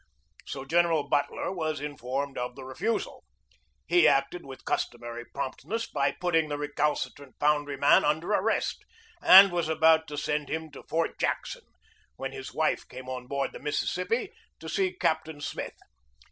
So General Butler was informed of the refusal. He acted with cus tomary promptness by putting the recalcitrant foun dryman under arrest, and was about to send him to Fort Jackson, when his wife came on board the Mississippi to see Captain Smith.